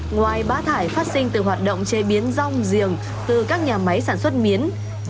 ngoài bá thải phát sinh từ hoạt động chế biến rong riềng từ các nhà máy sản xuất miến